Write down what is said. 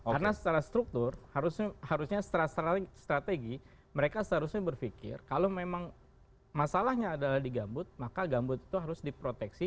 karena secara struktur harusnya secara strategi mereka seharusnya berpikir kalau memang masalahnya adalah di gambut maka gambut itu harus diproteksi